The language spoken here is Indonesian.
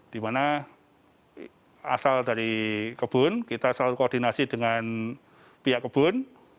dimana asal dari kebun kita selalu koordinasi dengan pihak kebun